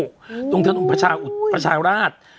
อู๋ตรงทางตรงประชาวราช